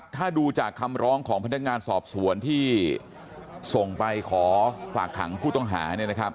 ถ้าดูจากคำร้องของพนักงานสอบสวนที่ส่งไปขอฝากขังผู้ต้องหา